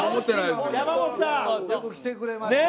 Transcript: よく来てくれました。